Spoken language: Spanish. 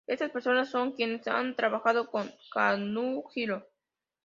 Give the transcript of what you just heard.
Estas personas son quienes han trabajado con Kazuhiro.